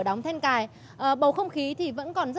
một tiếng á